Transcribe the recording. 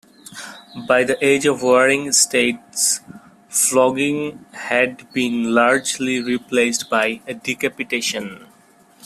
By the Age of Warring States, flogging had been largely replaced by decapitation.